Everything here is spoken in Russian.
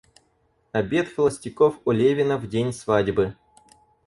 Обед холостяков у Левина в день свадьбы.